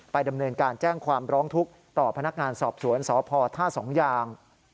ดำเนินการแจ้งความร้องทุกข์ต่อพนักงานสอบสวนสพท่าสองยาง